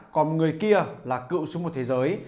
còn người kia là cựu số một thế giới